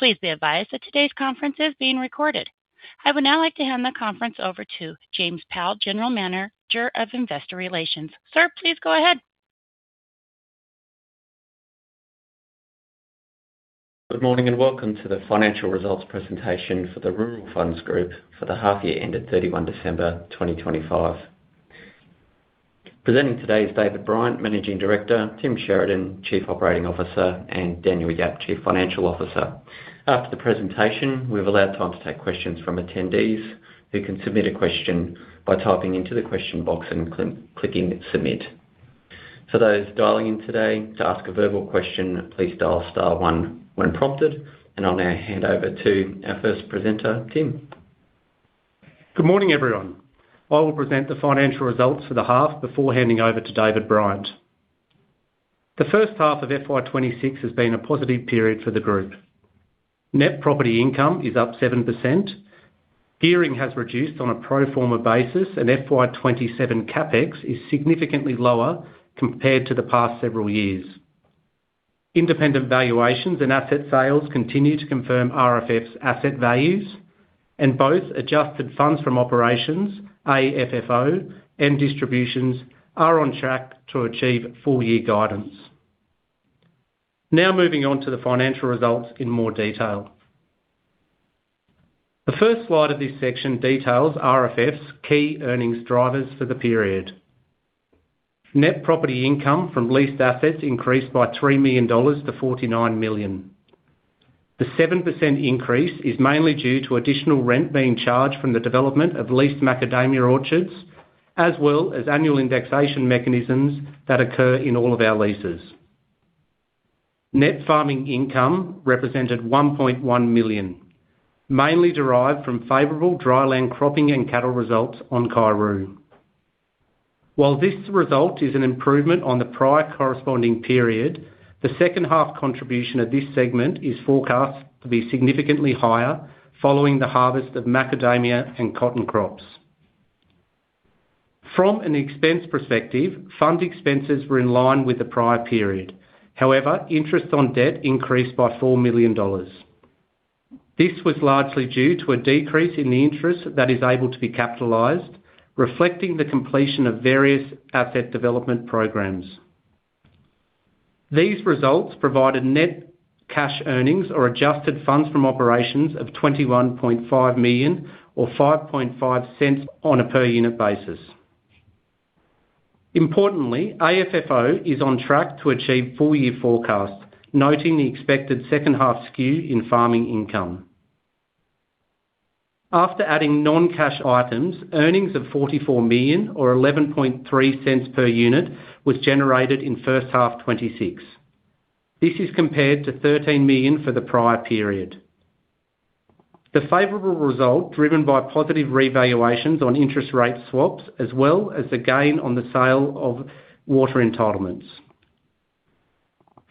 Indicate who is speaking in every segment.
Speaker 1: Please be advised that today's conference is being recorded. I would now like to hand the conference over to James Powell, General Manager of Investor Relations. Sir, please go ahead.
Speaker 2: Good morning, and welcome to the financial results presentation for the Rural Funds Group for the half year ended 31 December 2025. Presenting today is David Bryant, Managing Director, Tim Sheridan, Chief Operating Officer, and Daniel Yap, Chief Financial Officer. After the presentation, we've allowed time to take questions from attendees, who can submit a question by typing into the question box and clicking Submit. For those dialing in today, to ask a verbal question, please dial star one when prompted, and I'll now hand over to our first presenter, Tim.
Speaker 3: Good morning, everyone. I will present the financial results for the half before handing over to David Bryant. The first half of FY 2026 has been a positive period for the group. Net property income is up 7%, gearing has reduced on a pro forma basis, and FY 2027 CapEx is significantly lower compared to the past several years. Independent valuations and asset sales continue to confirm RFF's asset values, and both adjusted funds from operations, AFFO, and distributions are on track to achieve full-year guidance. Now moving on to the financial results in more detail. The first slide of this section details RFF's key earnings drivers for the period. Net property income from leased assets increased by 3 million dollars to 49 million. The 7% increase is mainly due to additional rent being charged from the development of leased macadamia orchards, as well as annual indexation mechanisms that occur in all of our leases. Net farming income represented 1.1 million, mainly derived from favorable dry land cropping and cattle results on Kaiuroo. While this result is an improvement on the prior corresponding period, the second half contribution of this segment is forecast to be significantly higher following the harvest of macadamia and cotton crops. From an expense perspective, fund expenses were in line with the prior period. However, interest on debt increased by 4 million dollars. This was largely due to a decrease in the interest that is able to be capitalized, reflecting the completion of various asset development programs. These results provided net cash earnings or adjusted funds from operations of 21.5 million or 0.055 per unit basis. Importantly, AFFO is on track to achieve full-year forecast, noting the expected second half skew in farming income. After adding non-cash items, earnings of 44 million or 0.113 per unit was generated in first half 2026. This is compared to 13 million for the prior period. The favorable result, driven by positive revaluations on interest rate swaps, as well as the gain on the sale of water entitlements.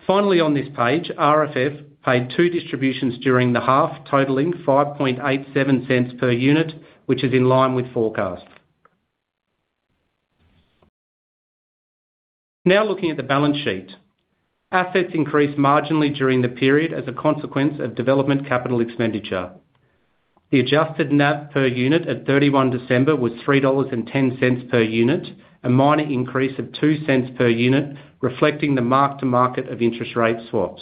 Speaker 3: Finally, on this page, RFF paid two distributions during the half, totaling 0.0587 per unit, which is in line with forecast. Now, looking at the balance sheet. Assets increased marginally during the period as a consequence of development capital expenditure. The adjusted net per unit at 31 December was 3.10 dollars per unit, a minor increase of 0.02 per unit, reflecting the mark to market of interest rate swaps.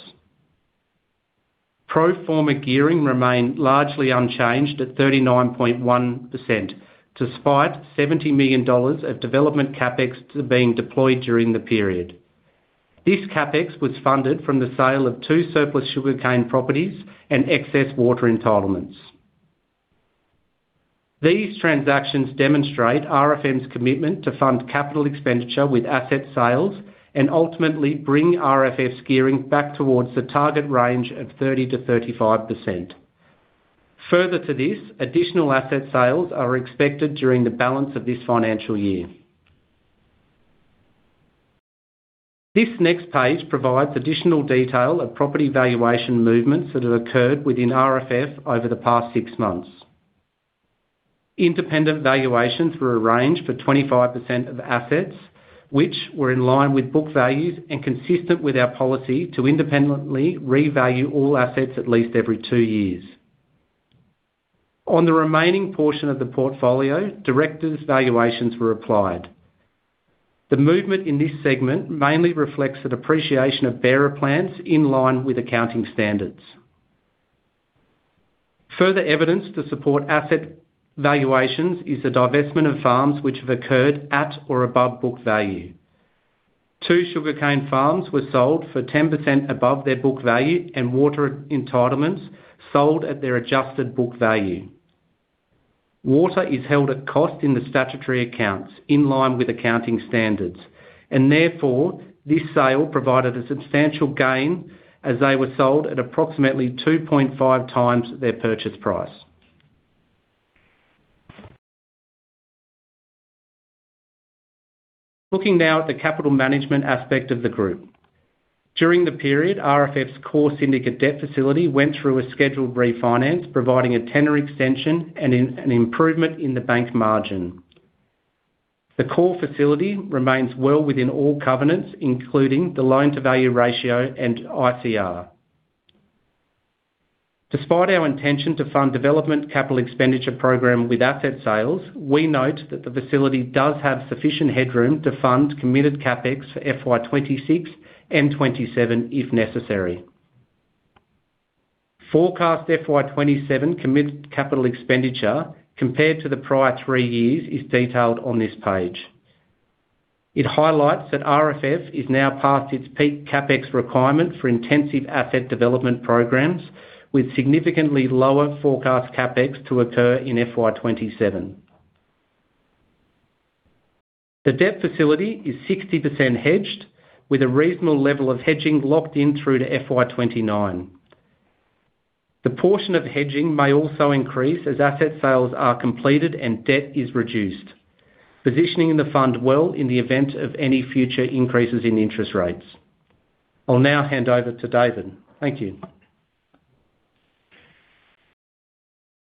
Speaker 3: Pro forma gearing remained largely unchanged at 39.1%, despite 70 million dollars of development CapEx being deployed during the period. This CapEx was funded from the sale of two surplus sugarcane properties and excess water entitlements. These transactions demonstrate RFF's commitment to fund capital expenditure with asset sales and ultimately bring RFF's gearing back towards the target range of 30%-35%. Further to this, additional asset sales are expected during the balance of this financial year. This next page provides additional detail of property valuation movements that have occurred within RFF over the past six months. Independent valuations were arranged for 25% of assets, which were in line with book values and consistent with our policy to independently revalue all assets at least every two years. On the remaining portion of the portfolio, directors' valuations were applied. The movement in this segment mainly reflects the depreciation of bearer plants in line with accounting standards. Further evidence to support asset valuations is the divestment of farms, which have occurred at or above book value. Two sugarcane farms were sold for 10% above their book value, and water entitlements sold at their adjusted book value. Water is held at cost in the statutory accounts, in line with accounting standards, and therefore, this sale provided a substantial gain as they were sold at approximately 2.5 times their purchase price. Looking now at the capital management aspect of the group. During the period, RFF's core syndicate debt facility went through a scheduled refinance, providing a tenor extension and an improvement in the bank margin. The core facility remains well within all covenants, including the loan-to-value ratio and ICR. Despite our intention to fund development capital expenditure program with asset sales, we note that the facility does have sufficient headroom to fund committed CapEx for FY 2026 and 2027, if necessary. Forecast FY 2027 committed capital expenditure compared to the prior three years is detailed on this page. It highlights that RFF is now past its peak CapEx requirement for intensive asset development programs, with significantly lower forecast CapEx to occur in FY 2027. The debt facility is 60% hedged, with a reasonable level of hedging locked in through to FY 2029. The portion of hedging may also increase as asset sales are completed and debt is reduced, positioning the fund well in the event of any future increases in interest rates. I'll now hand over to David. Thank you.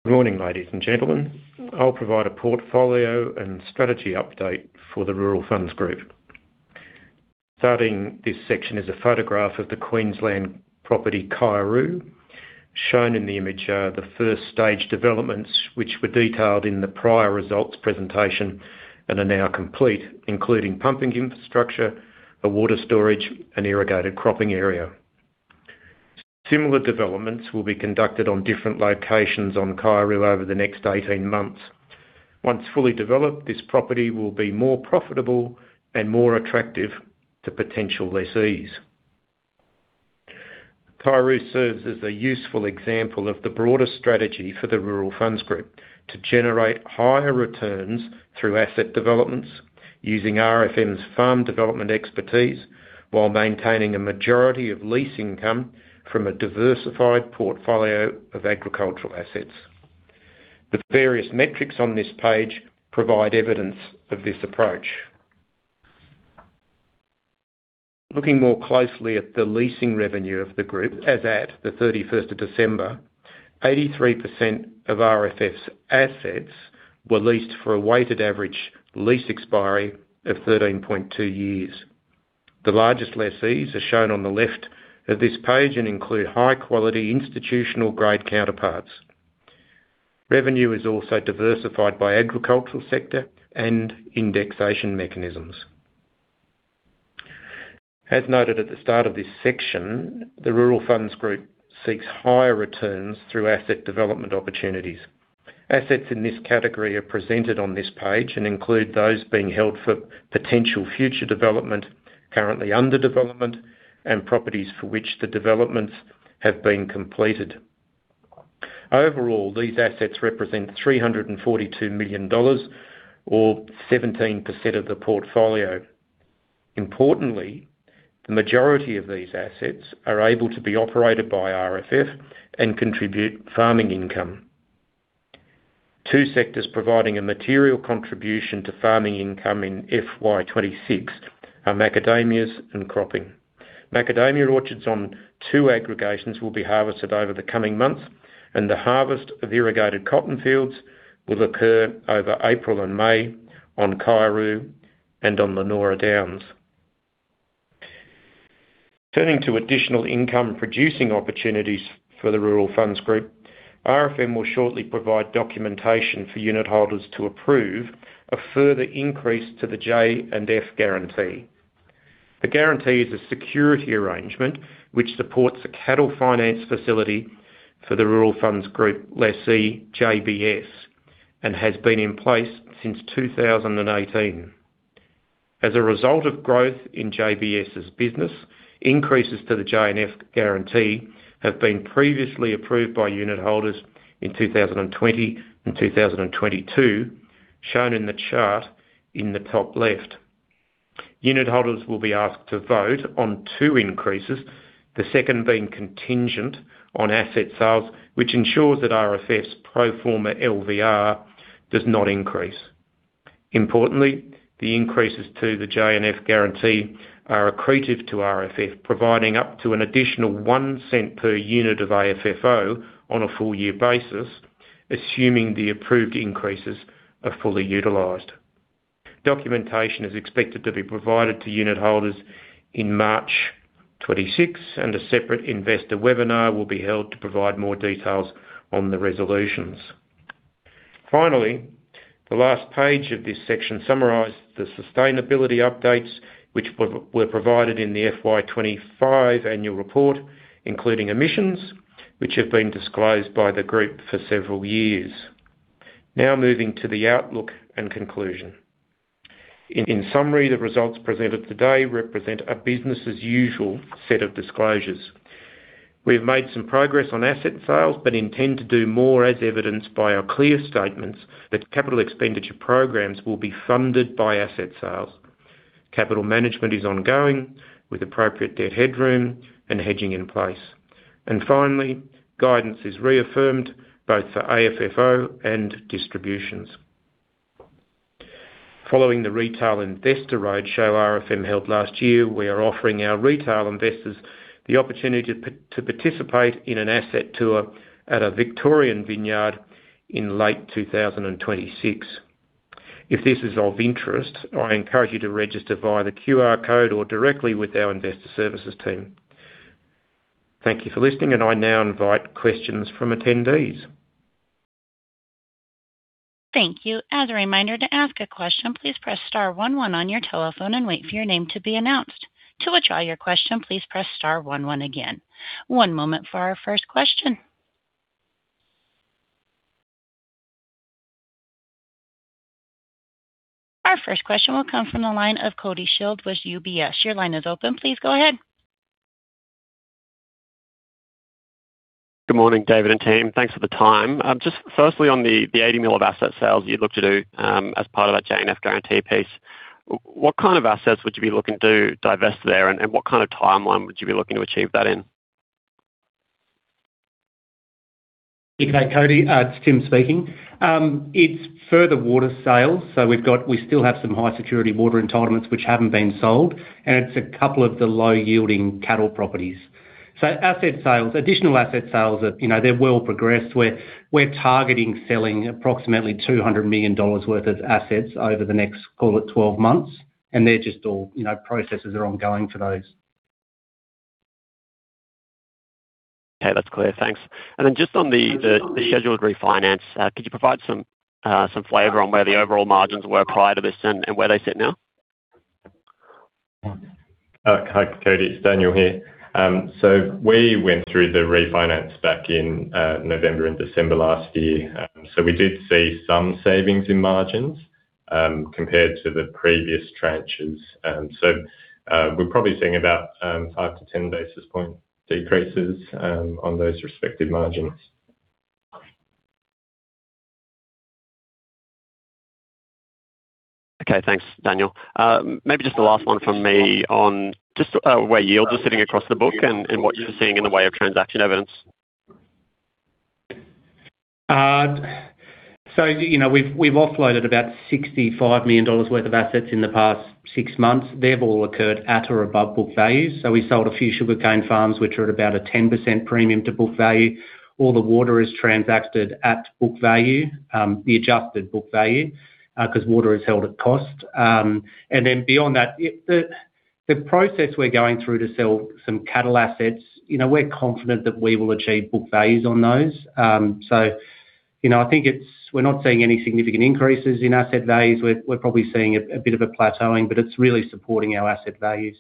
Speaker 4: Good morning, ladies and gentlemen. I'll provide a portfolio and strategy update for the Rural Funds Group. Starting this section is a photograph of the Queensland property, Kaiuroo. Shown in the image are the first stage developments, which were detailed in the prior results presentation and are now complete, including pumping infrastructure, a water storage, and irrigated cropping area. Similar developments will be conducted on different locations on Kaiuroo over the next 18 months. Once fully developed, this property will be more profitable and more attractive to potential lessees. Kaiuroo serves as a useful example of the broader strategy for the Rural Funds Group: to generate higher returns through asset developments, using RFM's farm development expertise, while maintaining a majority of lease income from a diversified portfolio of agricultural assets. The various metrics on this page provide evidence of this approach. Looking more closely at the leasing revenue of the group, as at the 31st of December, 83% of RFF's assets were leased for a weighted average lease expiry of 13.2 years. The largest lessees are shown on the left of this page and include high-quality, institutional-grade counterparties. Revenue is also diversified by agricultural sector and indexation mechanisms. As noted at the start of this section, the Rural Funds Group seeks higher returns through asset development opportunities. Assets in this category are presented on this page and include those being held for potential future development, currently under development, and properties for which the developments have been completed. Overall, these assets represent 342 million dollars or 17% of the portfolio. Importantly, the majority of these assets are able to be operated by RFF and contribute farming income. Two sectors providing a material contribution to farming income in FY 26 are macadamias and cropping. Macadamia orchards on two aggregations will be harvested over the coming months, and the harvest of irrigated cotton fields will occur over April and May on Kaiuroo and on Lynora Downs. Turning to additional income-producing opportunities for the Rural Funds Group, RFM will shortly provide documentation for unit holders to approve a further increase to the J&F Guarantee. The guarantee is a security arrangement, which supports a cattle finance facility for the Rural Funds Group lessee, JBS, and has been in place since 2018. As a result of growth in JBS's business, increases to the J&F Guarantee have been previously approved by unit holders in 2020 and 2022, shown in the chart in the top left. Unit holders will be asked to vote on two increases, the second being contingent on asset sales, which ensures that RFF's pro forma LVR does not increase. Importantly, the increases to the J&F Guarantee are accretive to RFF, providing up to an additional 0.01 per unit of AFFO on a full year basis, assuming the approved increases are fully utilized. Documentation is expected to be provided to unit holders in March 2026, and a separate investor webinar will be held to provide more details on the resolutions. Finally, the last page of this section summarizes the sustainability updates, which were provided in the FY 2025 annual report, including emissions, which have been disclosed by the group for several years. Now, moving to the outlook and conclusion. In summary, the results presented today represent a business-as-usual set of disclosures. We have made some progress on asset sales, but intend to do more, as evidenced by our clear statements that capital expenditure programs will be funded by asset sales. Capital management is ongoing, with appropriate debt headroom and hedging in place. And finally, guidance is reaffirmed both for AFFO and distributions. Following the retail investor roadshow RFM held last year, we are offering our retail investors the opportunity to participate in an asset tour at a Victorian vineyard in late 2026.... If this is of interest, I encourage you to register via the QR code or directly with our investor services team. Thank you for listening, and I now invite questions from attendees.
Speaker 1: Thank you. As a reminder, to ask a question, please press star one one on your telephone and wait for your name to be announced. To withdraw your question, please press star one one again. One moment for our first question. Our first question will come from the line of Cody Shields with UBS. Your line is open. Please go ahead.
Speaker 5: Good morning, David and team. Thanks for the time. Just firstly, on the 80 million of asset sales you'd look to do, as part of that J&F guarantee piece, what kind of assets would you be looking to divest there, and what kind of timeline would you be looking to achieve that in?
Speaker 3: Okay, Cody, it's Tim speaking. It's further water sales, so we still have some high-security water entitlements which haven't been sold, and it's a couple of the low-yielding cattle properties. So asset sales, additional asset sales are, you know, they're well progressed. We're targeting selling approximately 200 million dollars worth of assets over the next, call it, 12 months, and they're just all, you know, processes are ongoing for those.
Speaker 5: Okay, that's clear. Thanks. And then just on the scheduled refinance, could you provide some flavor on where the overall margins were prior to this and where they sit now?
Speaker 6: Hi, Cody, it's Daniel here. We went through the refinance back in November and December last year. We did see some savings in margins compared to the previous tranches. We're probably seeing about 5-10 basis point decreases on those respective margins.
Speaker 5: Okay. Thanks, Daniel. Maybe just the last one from me on just where yields are sitting across the book and what you're seeing in the way of transaction evidence?
Speaker 3: So, you know, we've offloaded about 65 million dollars worth of assets in the past six months. They've all occurred at or above book value, so we sold a few sugarcane farms, which are at about a 10% premium to book value. All the water is transacted at book value, the adjusted book value, 'cause water is held at cost. And then beyond that, the process we're going through to sell some cattle assets, you know, we're confident that we will achieve book values on those. So, you know, I think it's, we're not seeing any significant increases in asset values. We're probably seeing a bit of a plateauing, but it's really supporting our asset values.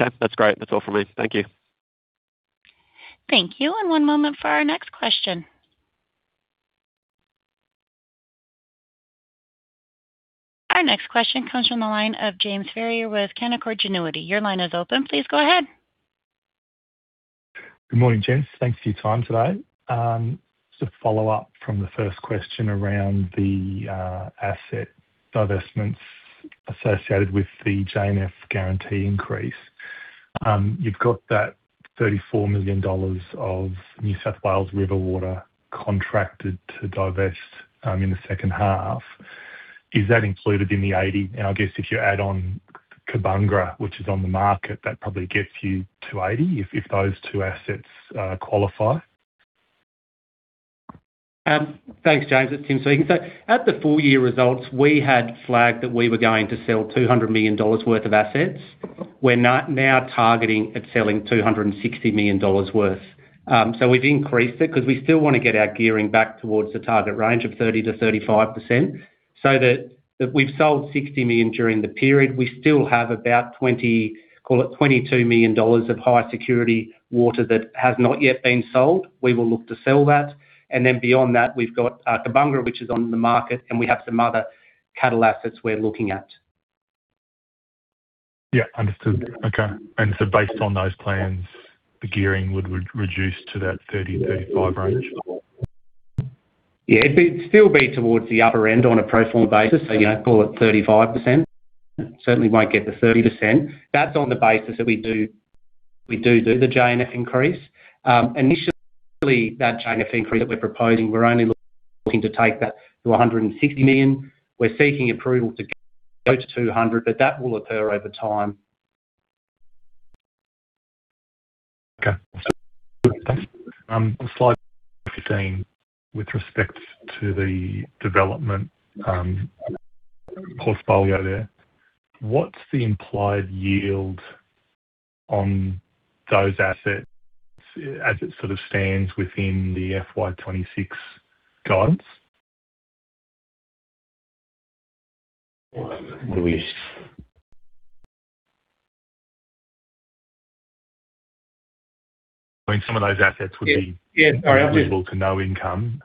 Speaker 5: Okay, that's great. That's all for me. Thank you.
Speaker 1: Thank you, and one moment for our next question. Our next question comes from the line of James Ferrier with Canaccord Genuity. Your line is open. Please go ahead.
Speaker 7: Good morning, gents. Thanks for your time today. Just a follow-up from the first question around the, asset divestments associated with the J&F guarantee increase. You've got that 34 million dollars of New South Wales River Water contracted to divest, in the second half. Is that included in the 80? And I guess if you add on Cobungra, which is on the market, that probably gets you to 80, if, if those two assets, qualify.
Speaker 3: Thanks, James. It's Tim speaking. So at the full year results, we had flagged that we were going to sell 200 million dollars worth of assets. We're not now targeting at selling 260 million dollars worth. So we've increased it 'cause we still wanna get our gearing back towards the target range of 30%-35%. So that, that we've sold 60 million during the period. We still have about 20, call it 22 million dollars of high-security water that has not yet been sold. We will look to sell that, and then beyond that, we've got, Cobungra, which is on the market, and we have some other cattle assets we're looking at.
Speaker 7: Yeah, understood. Okay. And so based on those plans, the gearing would reduce to that 30-35 range?
Speaker 3: Yeah. It'd still be towards the upper end on a pro forma basis, so, you know, call it 35%. Certainly won't get to 30%. That's on the basis that we do, we do do the J&F increase. Initially, that J&F increase that we're proposing, we're only looking to take that to 160 million. We're seeking approval to go to 200 million, but that will occur over time.
Speaker 7: Okay. Slide 15, with respect to the development portfolio there, what's the implied yield on those assets as it sort of stands within the FY 2026 guides?
Speaker 3: Well, we-
Speaker 7: I mean, some of those assets would be-
Speaker 3: Yeah.
Speaker 7: Little to no income.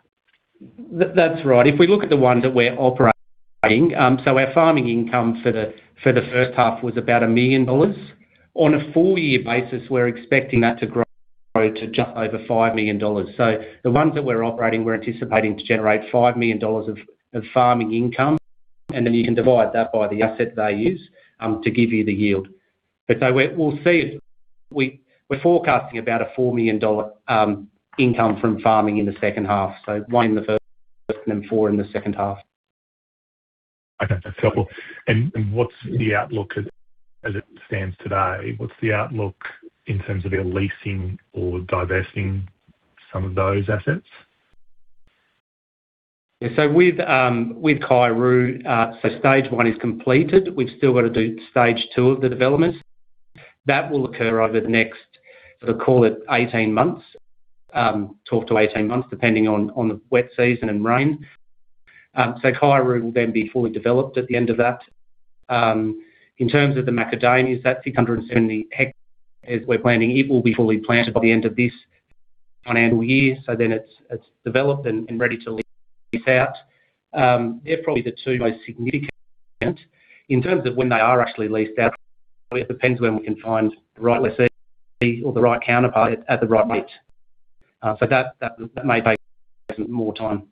Speaker 3: That's right. If we look at the one that we're operating, so our farming income for the, for the first half was about 1 million dollars. On a full year basis, we're expecting that to grow to just over 5 million dollars. So the ones that we're operating, we're anticipating to generate 5 million dollars of, of farming income, and then you can divide that by the asset values, to give you the yield. But no, we'll see it. We're forecasting about a 4 million dollar, income from farming in the second half, so 1 million in the first and 4 million in the second half....
Speaker 7: Okay, that's helpful. And what's the outlook as it stands today? What's the outlook in terms of your leasing or divesting some of those assets?
Speaker 3: Yeah, so with Kaiuroo, so stage 1 is completed. We've still got to do stage 2 of the development. That will occur over the next, sort of, call it 18 months, up to 18 months, depending on the wet season and rain. So Kaiuroo will then be fully developed at the end of that. In terms of the macadamias, that 670 hectares, as we're planning, it will be fully planted by the end of this financial year. So then it's, it's developed and, and ready to lease out. They're probably the two most significant. In terms of when they are actually leased out, it depends when we can find the right lessee or the right counterpart at the right rate. So that may take more time.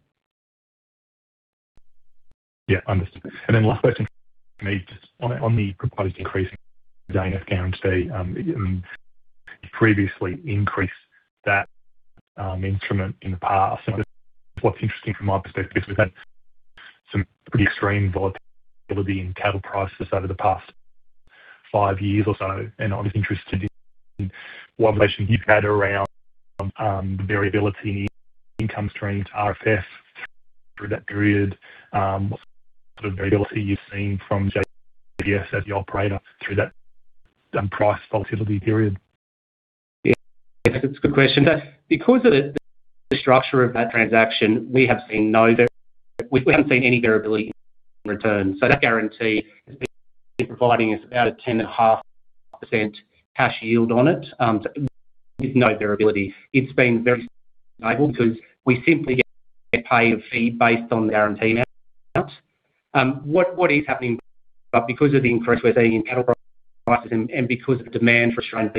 Speaker 7: Yeah, understood. And then last question for me, just on the proposed increase in J&F guarantee, you previously increased that instrument in the past. What's interesting from my perspective is we've had some pretty extreme volatility in cattle prices over the past five years or so, and I was interested in what relation you've had around the variability in income streams, RFF, through that period, what sort of variability you've seen from JBS as the operator through that price volatility period?
Speaker 3: Yeah, that's a good question. Because of the structure of that transaction, we have seen no—we haven't seen any variability in return. So that guarantee has been providing us about a 10.5% cash yield on it, with no variability. It's been very stable because we simply get paid a fee based on the guarantee amount. What is happening, but because of the increase we're seeing in cattle prices and because of the demand for Australian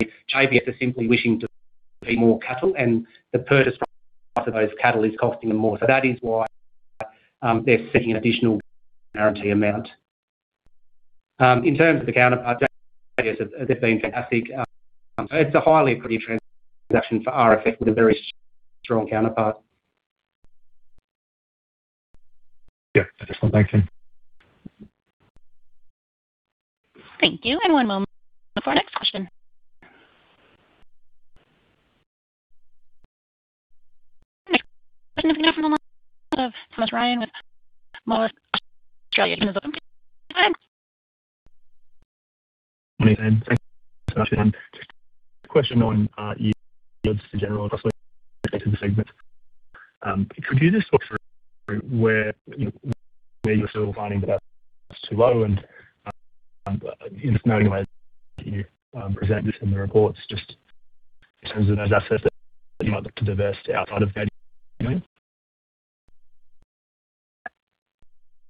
Speaker 3: beef, JBS are simply wishing to see more cattle, and the purchase of those cattle is costing them more. So that is why they're seeking an additional guarantee amount. In terms of the counterparty, they've been fantastic. It's a highly accretive transaction for RFF with a very strong counterparty.
Speaker 7: Yeah. Thanks, Tim.
Speaker 1: Thank you. One moment before our next question. Next question from the line of Thomas Ryan with Moelis Australia.
Speaker 8: Good morning, and thank you so much. Just a question on yields in general, across the segment. Could you just talk through where, where you're still finding that's too low, and just knowing the way that you present this in the reports, just in terms of those assets that you might look to divest outside of value?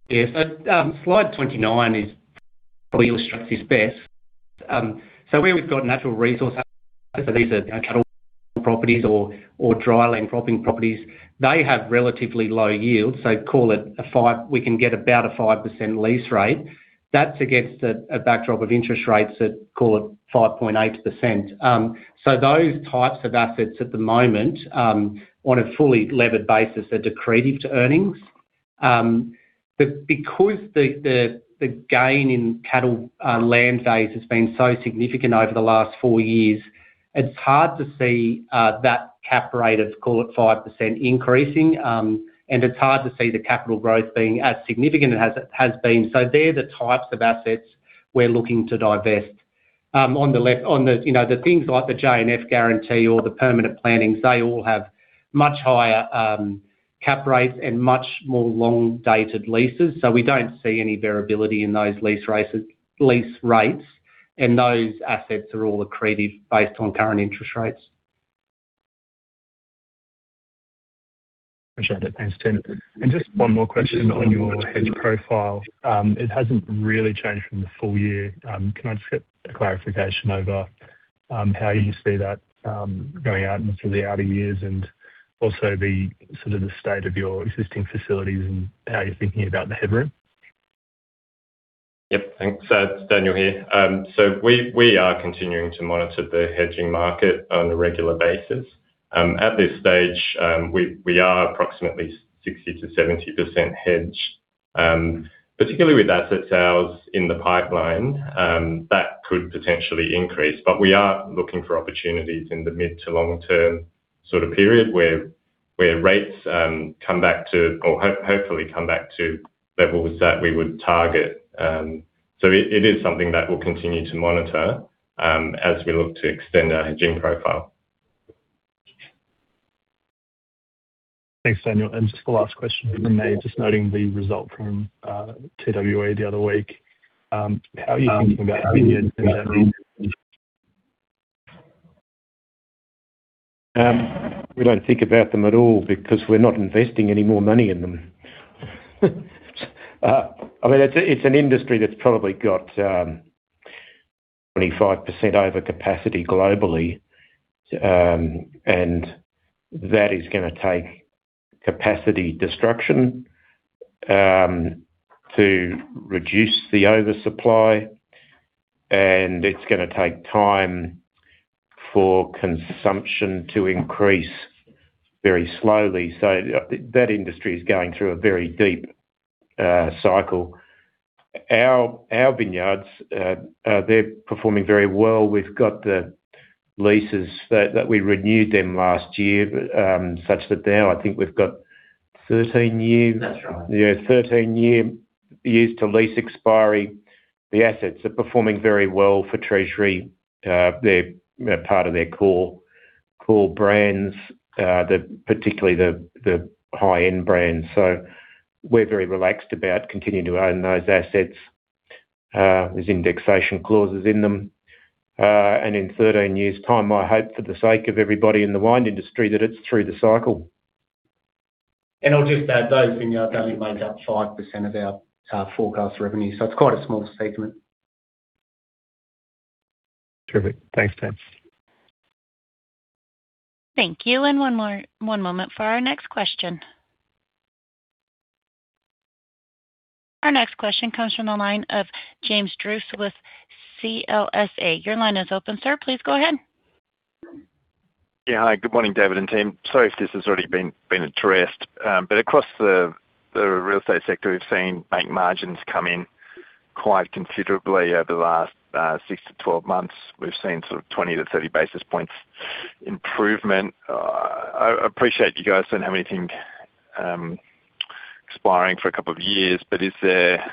Speaker 3: Yeah. So, slide 29 probably illustrates this best. So where we've got natural resource, so these are cattle properties or dry land cropping properties, they have relatively low yields, so call it a five- we can get about a 5% lease rate. That's against a backdrop of interest rates that call it 5.8%. So those types of assets at the moment, on a fully levered basis, are accretive to earnings. But because the gain in cattle land base has been so significant over the last 4 years, it's hard to see that cap rate of call it 5% increasing, and it's hard to see the capital growth being as significant as it has been. So they're the types of assets we're looking to divest. On the left, on the, you know, the things like the J&F guarantee or the permanent plantings, they all have much higher cap rates and much more long-dated leases. So we don't see any variability in those lease rates, lease rates, and those assets are all accretive based on current interest rates.
Speaker 8: Appreciate it. Thanks, Tim. And just one more question on your hedge profile. It hasn't really changed from the full year. Can I just get a clarification over how you see that going out into the outer years and also the sort of the state of your existing facilities and how you're thinking about the headroom?
Speaker 6: Yep. Thanks. So it's Daniel here. So we are continuing to monitor the hedging market on a regular basis. At this stage, we are approximately 60%-70% hedged, particularly with asset sales in the pipeline, that could potentially increase, but we are looking for opportunities in the mid to long-term sort of period, where rates come back to or hopefully come back to levels that we would target. So it is something that we'll continue to monitor, as we look to extend our hedging profile.
Speaker 8: Thanks, Daniel. And just the last question for me, just noting the result from, TWE the other week. How are you thinking about-
Speaker 4: We don't think about them at all because we're not investing any more money in them. I mean, it's an industry that's probably got 25% over capacity globally, and that is gonna take capacity destruction to reduce the oversupply, and it's gonna take time for consumption to increase... very slowly. So that industry is going through a very deep cycle. Our vineyards, they're performing very well. We've got the leases that we renewed them last year, but such that now I think we've got 13 years?
Speaker 2: That's right.
Speaker 4: Yeah, 13 years to lease expiry. The assets are performing very well for Treasury. They're part of their core brands, particularly the high-end brands. So we're very relaxed about continuing to own those assets. There's indexation clauses in them. And in 13 years' time, I hope, for the sake of everybody in the wine industry, that it's through the cycle.
Speaker 2: I'll just add, those vineyards only make up 5% of our forecast revenue, so it's quite a small segment.
Speaker 8: Terrific. Thanks, James.
Speaker 1: Thank you. And one more-- one moment for our next question. Our next question comes from the line of James Druce with CLSA. Your line is open, sir. Please go ahead.
Speaker 9: Yeah. Hi, good morning, David and team. Sorry if this has already been addressed, but across the real estate sector, we've seen bank margins come in quite considerably over the last six to 12 months. We've seen sort of 20-30 basis points improvement. I appreciate you guys don't have anything expiring for a couple of years, but is there...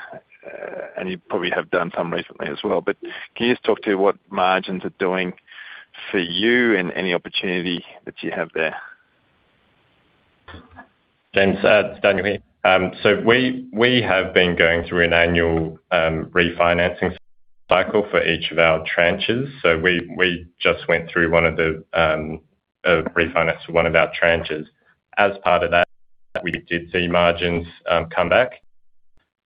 Speaker 9: And you probably have done some recently as well, but can you just talk to what margins are doing for you and any opportunity that you have there?
Speaker 6: James, Daniel here. So we have been going through an annual refinancing cycle for each of our tranches. So we just went through one of the a refinance for one of our tranches. As part of that, we did see margins come back.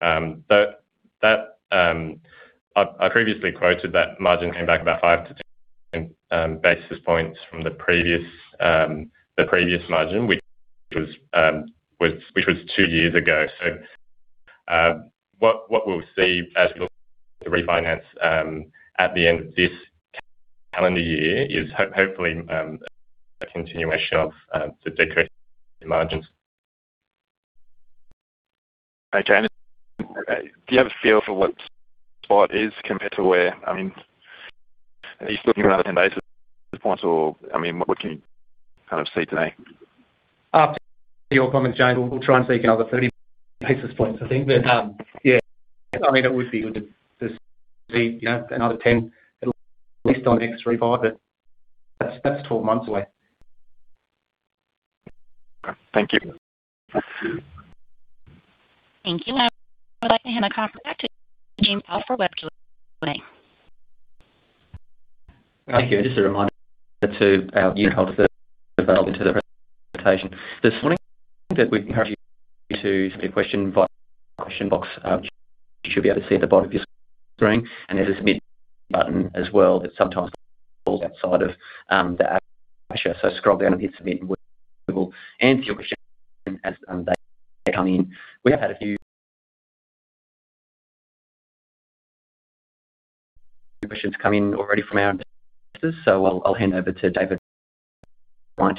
Speaker 6: But that, I previously quoted that margin came back about 5-10 basis points from the previous the previous margin, which was which was two years ago. So what we'll see as the refinance at the end of this calendar year is hopefully a continuation of the decrease in margins.
Speaker 9: Okay. Do you have a feel for what spot is compared to where? I mean, are you still talking about 10 basis points or, I mean, what can you kind of see today?
Speaker 3: After your comment, James, we'll try and seek another 30 basis points, I think. But, yeah, I mean, it would be good to see, you know, another 10 at least on the next revive, but that's, that's 12 months away.
Speaker 9: Thank you.
Speaker 1: Thank you. I would like to hand back to James for questions.
Speaker 2: Thank you. Just a reminder to our new hosts that are available to the presentation this morning, that we encourage you to submit a question via the question box. You should be able to see it at the bottom of your screen, and there's a Submit button as well, that sometimes falls outside of the app window. So scroll down and hit Submit, and we will answer your questions as they come in. We have had a few questions come in already from our... I'll hand over to David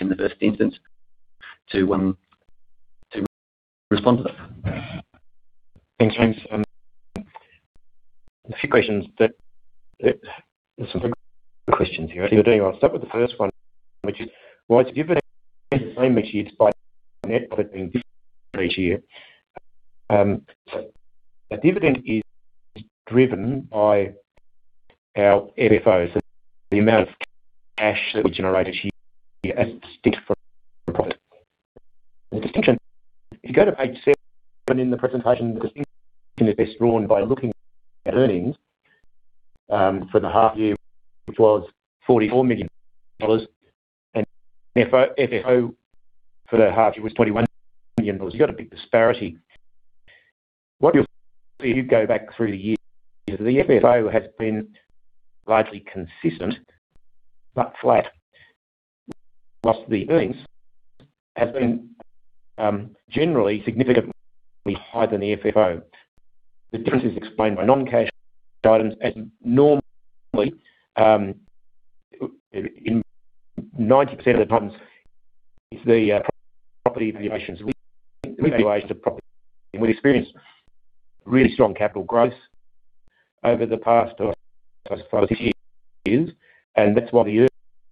Speaker 2: in the first instance to respond to them.
Speaker 4: Thanks, James. Some questions here. I'll start with the first one, which is, why is dividend the same each year, despite net being different each year? A dividend is driven by our FFO, so the amount of cash that we generate as distinct from profit. The distinction, if you go to page seven in the presentation, the distinction is best drawn by looking at earnings for the half year, which was 44 million dollars, and FFO for the half year was 21 million dollars. You got a big disparity. What you'll see, if you go back through the years, is the FFO has been largely consistent, but flat, whilst the earnings have been generally significantly higher than the FFO. The difference is explained by non-cash items, and normally, in 90% of the times, it's the property revaluations. We've evaluated the property. We've experienced really strong capital growth over the past five years, and that's why the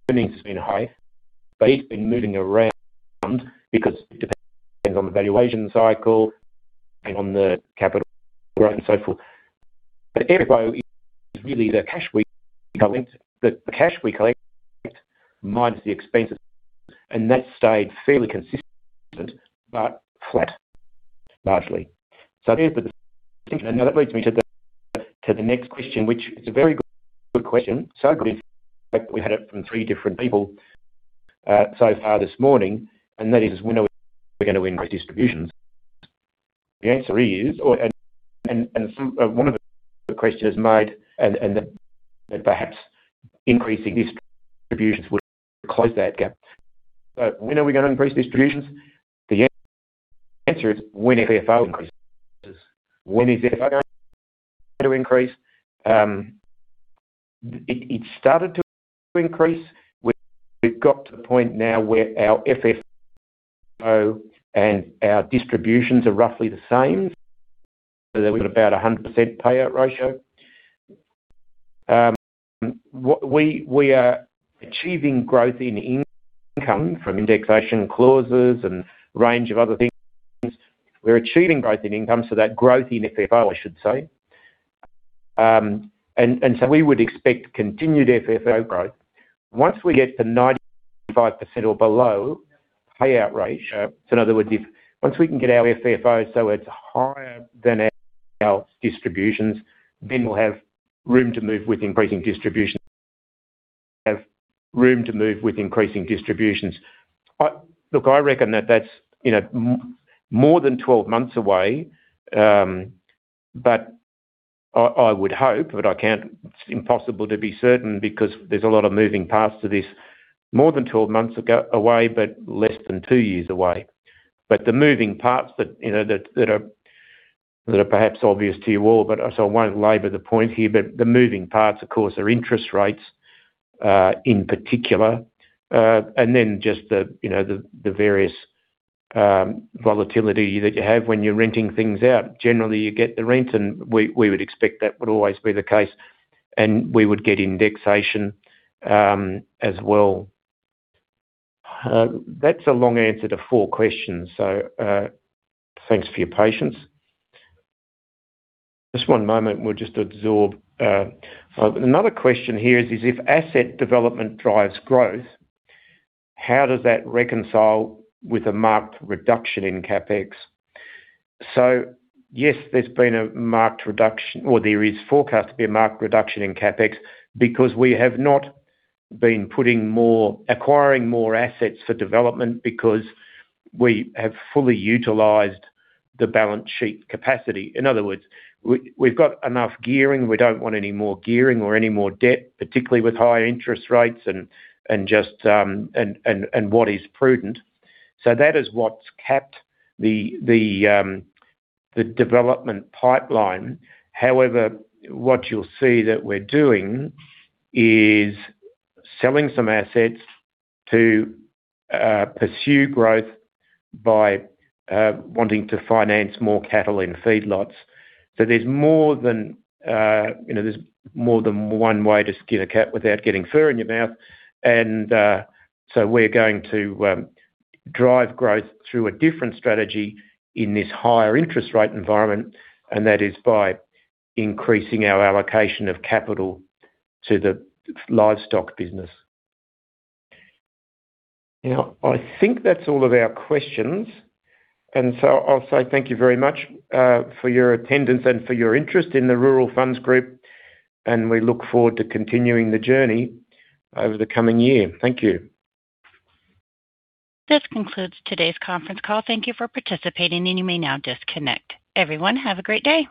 Speaker 4: earnings has been high, but it's been moving around because it depends on the valuation cycle and on the capital growth and so forth. But FFO is really the cash we collect, the cash we collect minus the expenses, and that stayed fairly consistent, but flat, largely. So there's the distinction. That leads me to the next question, which is a very good, good question. So good, in fact, we had it from three different people so far this morning, and that is, when are we going to increase distributions? The answer is, and someone of the questions made, and that perhaps increasing distributions would close that gap. So when are we going to increase distributions? The answer is, when FFO increases. When is FFO going to increase? It started to increase. We've got to the point now where our FFO and our distributions are roughly the same, so that we've got about 100% payout ratio. What we are achieving growth in income from indexation clauses and range of other things. We're achieving growth in income, so that growth in FFO, I should say. And so we would expect continued FFO growth. Once we get to 95% or below payout ratio, so in other words, if once we can get our FFO so it's higher than our distributions, then we'll have room to move with increasing distributions. Have room to move with increasing distributions. Look, I reckon that's, you know, more than 12 months away, but I would hope, but I can't. It's impossible to be certain because there's a lot of moving parts to this. More than 12 months away, but less than two years away. But the moving parts that, you know, that are perhaps obvious to you all, but so I won't labor the point here, but the moving parts, of course, are interest rates, in particular, and then just the, you know, the various volatility that you have when you're renting things out. Generally, you get the rent, and we would expect that would always be the case, and we would get indexation, as well. That's a long answer to 4 questions, so, thanks for your patience. Just one moment, we'll just absorb. So another question here is: If asset development drives growth, how does that reconcile with a marked reduction in CapEx? So yes, there's been a marked reduction, or there is forecast to be a marked reduction in CapEx, because we have not been putting more, acquiring more assets for development because we have fully utilized the balance sheet capacity. In other words, we, we've got enough gearing. We don't want any more gearing or any more debt, particularly with high interest rates and just what is prudent. So that is what's capped the development pipeline. However, what you'll see that we're doing is selling some assets to pursue growth by wanting to finance more cattle in feedlots. So there's more than, you know, there's more than one way to skin a cat without getting fur in your mouth. And so we're going to drive growth through a different strategy in this higher interest rate environment, and that is by increasing our allocation of capital to the livestock business. Now, I think that's all of our questions. And so I'll say thank you very much for your attendance and for your interest in the Rural Funds Group, and we look forward to continuing the journey over the coming year. Thank you.
Speaker 1: This concludes today's conference call. Thank you for participating, and you may now disconnect. Everyone, have a great day.